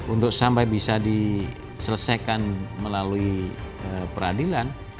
untuk sampai bisa diselesaikan melalui peradilan